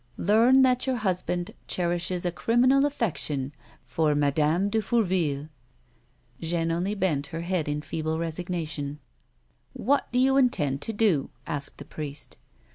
Learn that your husband cherishes a criminal affection for Madame de Fourville." Jeanne only bent her head in feeble resignation. '• What do you intend to do 1 " asked the priest.